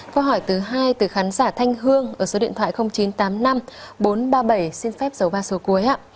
câu hỏi thứ hai từ khán giả thanh hương ở số điện thoại chín trăm tám mươi năm bốn trăm ba mươi bảy xin phép dấu ba số cuối